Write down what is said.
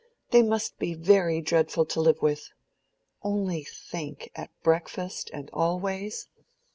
"They must be very dreadful to live with. Only think! at breakfast, and always."